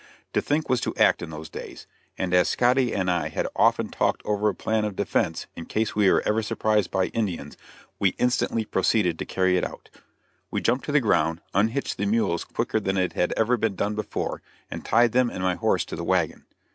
To think was to act, in those days; and as Scotty and I had often talked over a plan of defense in case we were ever surprised by Indians, we instantly proceeded to carry it out. We jumped to the ground, unhitched the mules quicker than it had ever been done before, and tied them and my horse to the wagon.